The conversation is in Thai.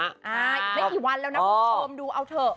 อีกไม่กี่วันแล้วนะคุณผู้ชมดูเอาเถอะ